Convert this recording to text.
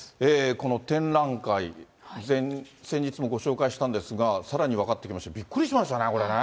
この展覧会、先日もご紹介したんですが、さらに分かってきました、びっくりしましたね、これね。